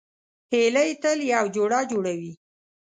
هیلۍ تل یو جوړه جوړوي